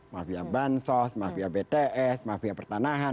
mafia bansos mafia bts mafia pertanahan